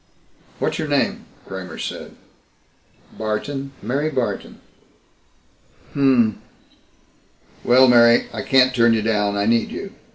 "What's your name?" Kramer said. "Barton, Mary Barton." "Hm m m. Well, Mary I can't turn you down. I need you.